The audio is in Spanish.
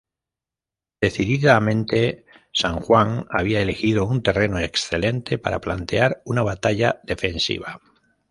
Decididamente San Juan había elegido un terreno excelente para plantear una batalla defensiva.